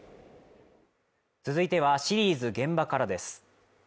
続いてはシリーズ「現場から」です